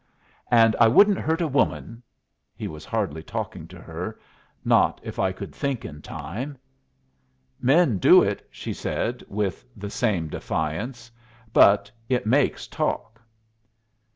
"And I wouldn't hurt a woman" he was hardly talking to her "not if I could think in time." "Men do it," she said, with the same defiance. "But it makes talk."